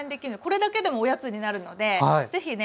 これだけでもおやつになるので是非ね